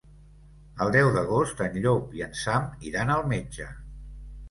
El deu d'agost en Llop i en Sam iran al metge.